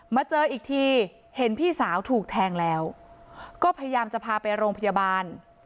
มาเจออีกทีเห็นพี่สาวถูกแทงแล้วก็พยายามจะพาไปโรงพยาบาล